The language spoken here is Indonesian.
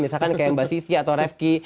misalkan kayak mbak sisya atau refki